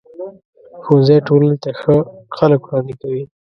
ښوونځی ټولنې ته ښه خلک وړاندې کوي.